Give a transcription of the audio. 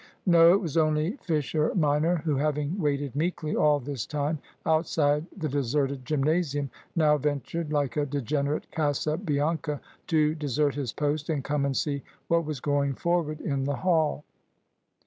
No, it was only Fisher minor, who, having waited meekly all this time outside the deserted gymnasium, now ventured, like a degenerate Casabianca, to desert his post and come and see what was going forward in the Hall.